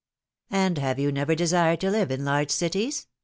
^'And have you never desired to live in large cities?"